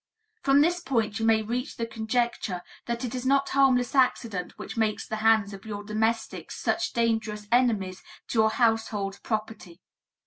From this point you may reach the conjecture that it is not harmless accident which makes the hands of your domestics such dangerous enemies to your household property.